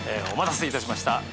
お待たせいたしました。